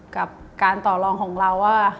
กับการต่อรองของเราว่า